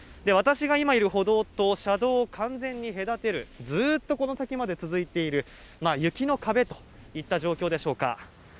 私が今いる歩道と、車道を完全に隔てる、ずーっとこの先まで続いている、雪の壁といった状況でしょうか。